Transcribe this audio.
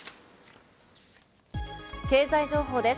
経済情報です。